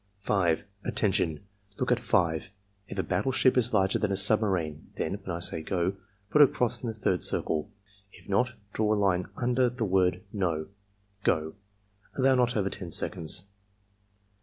5. "Attention! Look at 5. If a battleship is larger than a submarine, then (when I say 'go') put a cross in the third circle; if not, draw a line under the word NO. — Go!" (Allow not over 10 seconds.)